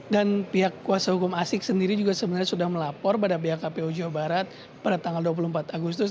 dan pihak kuasa hukum asik sendiri juga sebenarnya sudah melapor pada pihak kpu jawa barat pada tanggal dua puluh empat agustus